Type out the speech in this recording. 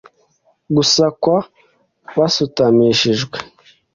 gusakwa basutamishijwe